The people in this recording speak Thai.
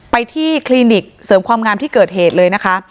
ไปที่คลินิกเสริมความงามที่เกิดเหตุเลยนะคะ